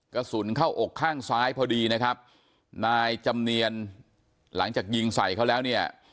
กระสุนเข้าอกข้างซ้ายพอดีนะครับนายจำเนียนหลังจากยิงใส่เขาแล้วเนี่ย